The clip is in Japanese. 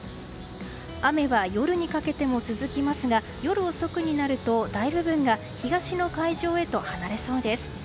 雨は夜にかけても続きますが夜遅くになると大部分が東の海上へ離れそうです。